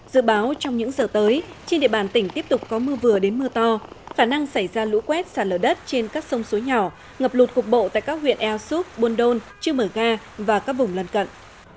dự báo trong những giờ tới trên địa bàn tỉnh tiếp tục có mưa vừa đến mưa to khả năng xảy ra lũ quét xả lở đất trên các sông suối nhỏ ngập lụt cục bộ tại các huyện ea súp buôn đôn chư mờ ga và các vùng lần cận